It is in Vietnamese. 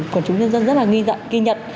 quần chúng nhân dân rất là nghi nhận